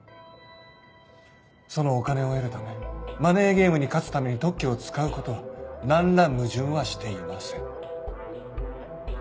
そのお金を得るためマネーゲームに勝つために特許を使うことは何ら矛盾はしていません。